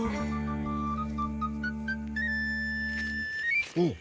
terima kasih amin